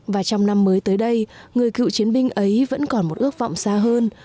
và trong năm mới tới đây người cựu chiến binh ấy vẫn còn một ước vọng xa hơn